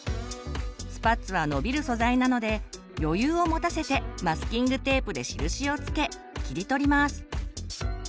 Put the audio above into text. スパッツはのびる素材なので余裕を持たせてマスキングテープで印を付け切り取ります。